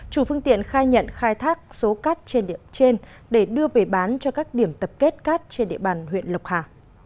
chủ phương tiện khai nhận khai thác số cát trên để đưa về bán cho các điểm tập kết cát trên địa bàn huyện lộc hà